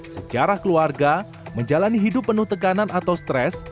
sejarah keluarga menjalani hidup penuh tekanan atau stres